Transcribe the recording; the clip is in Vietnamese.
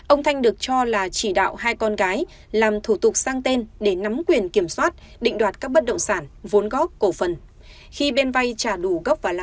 ông thanh được cho là chỉ đạo hai con gái làm thủ tục sang tên để nắm quyền kiểm soát định đoạt các bất động sản vốn góp cổ phần